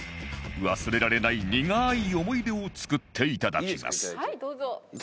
忘れられないにがい思い出を作っていただきます